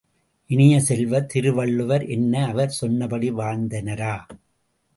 இனிய செல்வ, திருவள்ளுவர் என்ன அவர் சொன்னபடி வாழ்ந்தனரா?